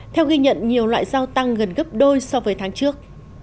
theo ghi nhận nhiều loại rau tăng gần gấp đôi so với tháng trước